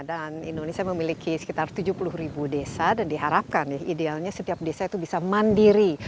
dan indonesia memiliki sekitar tujuh puluh desa dan diharapkan idealnya setiap desa bisa mandiri